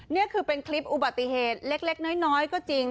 นี่คือเป็นคลิปอุบัติเหตุเล็กน้อยก็จริง